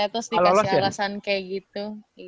terus dikasih alasan kayak gitu